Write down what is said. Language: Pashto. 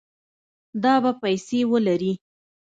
دا به پیسې ولري